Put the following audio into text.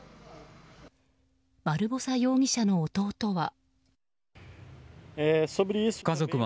バルボサ容疑者の弟は。